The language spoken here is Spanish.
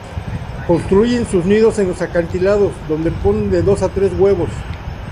Construyen sus nidos en los acantilados, donde ponen de dos a tres huevos.